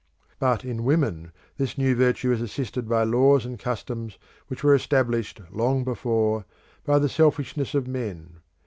But in women this new virtue is assisted by laws and customs which were established, long before, by the selfishness of men.